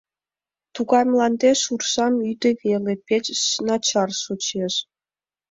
Тугай мландеш уржам ӱдӧ веле, пеш начар шочеш.